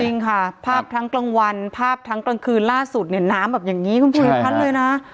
จริงค่ะภาพทั้งกลางวันภาพทั้งกลางคืนล่าสุดเนี่ยน้ำแบบอย่างนี้คุณภูริพัฒน์เลยนะ